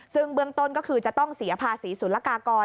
ซึ่งเบื้องต้นก็คือจะต้องเสียภาษีศุลกากร